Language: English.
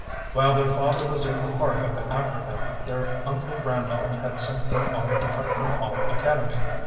While their father was in the heart of Africa, their Uncle Randolph had sent them off to Putnam Hall Academy.